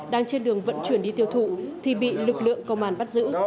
đang trên đường vận chuyển đi tiêu thụ thì bị lực lượng công an bắt giữ